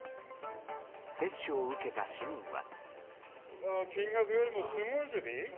接種を受けた市民は。